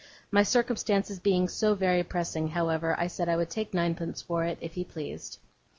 My circumstances being so very pressing, however, I said I would take ninepence for it, if he pleased.